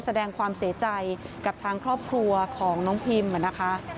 แสดงความเสียใจกับทางครอบครัวของน้องพิมนะคะ